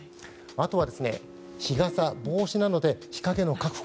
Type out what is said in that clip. あとは、日傘や帽子などで日陰の確保。